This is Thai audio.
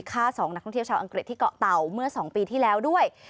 ฆ่า๒นักท่องเที่ยวชาวอังกฤษที่เกาะเต่าเมื่อ๒ปีที่แล้วด้วย